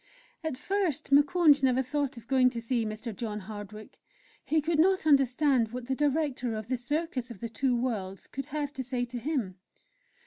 At first Moukounj never thought of going to see Mr. John Hardwick. He could not understand what the Director of the "Circus of the Two Worlds" could have to say to him.